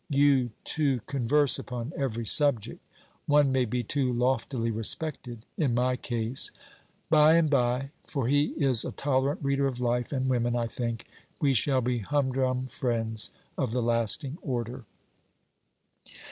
You two converse upon every subject. One may be too loftily respected in my case. By and by for he is a tolerant reader of life and women, I think we shall be humdrum friends of the lasting order.'